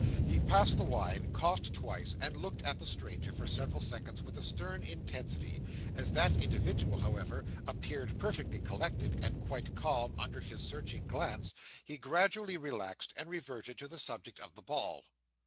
He passed the wine, coughed twice, and looked at the stranger for several seconds with a stern intensity; as that individual, however, appeared perfectly collected, and quite calm under his searching glance, he gradually relaxed, and reverted to the subject of the ball.